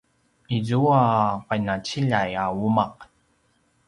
izua qinaciljay a umaq